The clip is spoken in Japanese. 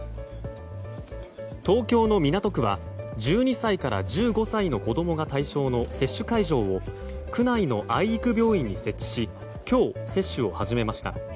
東京の港区は１２歳から１５歳の子供が対象の接種会場を区内の愛育病院に設置し今日、接種を始めました。